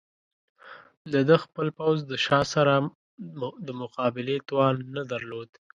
د ده خپل پوځ د شاه سره د مقابلې توان نه درلود.